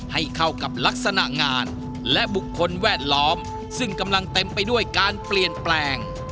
ให้เข้ากับลักษณะงานและบุคคลแวดล้อมซึ่งกำลังเต็มไปด้วยการเปลี่ยนแปลง